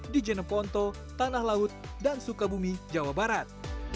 di jeneponto tanah laut dan sukabumi jawa barat